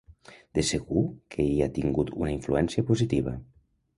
De segur que hi ha tingut una influència positiva.